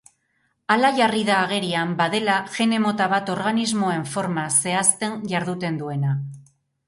Hala jarri da agerian badela gene mota bat organismoen forma zehazten jarduten duena.